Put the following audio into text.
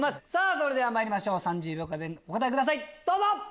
それではまいりましょう３０秒でお答えくださいどうぞ！